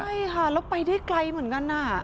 ใช่ค่ะแล้วไปได้ไกลเหมือนกัน